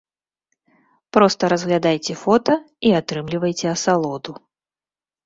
Проста разглядайце фота і атрымлівайце асалоду.